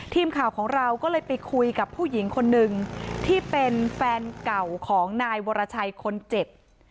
ทีมข่าวของเราก็เลยไปคุยกับผู้หญิงคนหนึ่งที่เป็นแฟนเก่าของนายวรชัยคนเจ็บ